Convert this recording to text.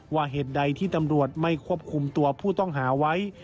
เหตุใดที่ตำรวจไม่ควบคุมตัวผู้ต้องหาไว้